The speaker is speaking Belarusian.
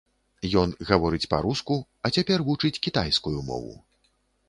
Ён гаворыць па-руску, а цяпер вучыць кітайскую мову.